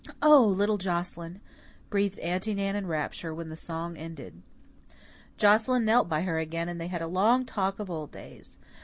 "O, little Joscelyn!" breathed Aunty Nan in rapture, when the song ended. Joscelyn knelt by her again and they had a long talk of old days.